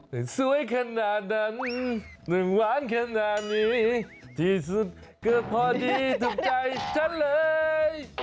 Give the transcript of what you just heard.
สวยขนาดนั้นหนึ่งหวานขนาดนี้ที่สุดก็พอดีถูกใจฉันเลย